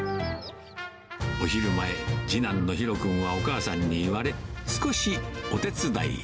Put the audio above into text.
お昼前、次男の紘君はお母さんに言われ、少しお手伝い。